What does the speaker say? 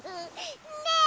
ねえ？